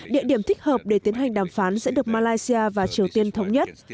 địa điểm thích hợp để tiến hành đàm phán sẽ được malaysia và triều tiên thống nhất